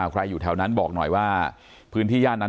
อยู่แถวนั้นบอกหน่อยว่าพื้นที่ย่านนั้น